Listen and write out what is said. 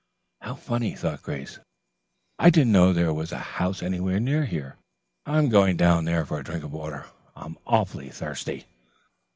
"How funny," thought Grace. "I didn't know there was a house anywhere near here. I'm going down there for a drink of water. I'm awfully thirsty."